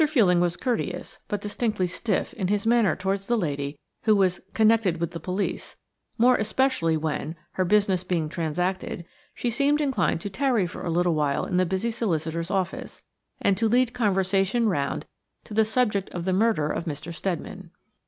Fuelling was courteous, but distinctly stiff, in his manner towards the lady who was "connected with the police," more especially when–her business being transacted–she seemed inclined to tarry for a little while in the busy solicitor's office, and to lead conversation round to the subject of the murder of Mr. Steadman.